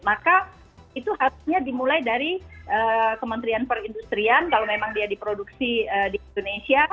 maka itu harusnya dimulai dari kementerian perindustrian kalau memang dia diproduksi di indonesia